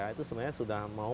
itu sebenarnya sudah mau